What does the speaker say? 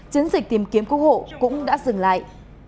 chiến dịch tìm kiếm cứu hộ cũng đã dừng lại